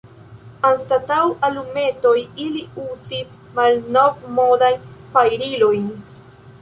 Anstataŭ alumetoj ili uzis malnovmodajn fajrilojn.